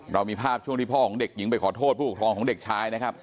เรามีภาพช่วงที่พ่อของเด็กหญิงไปขอโทษผู้ปกครองของเด็กชายนะครับ